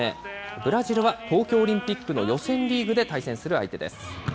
ブラジルは東京オリンピックの予選リーグで対戦する相手です。